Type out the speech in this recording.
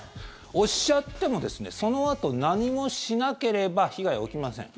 押しちゃってもそのあと何もしなければ被害を受けません。